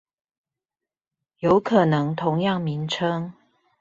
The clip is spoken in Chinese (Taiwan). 有可能同樣名稱